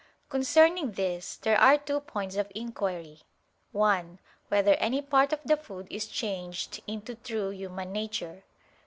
Concerning this there are two points of inquiry: (1) Whether any part of the food is changed into true human nature?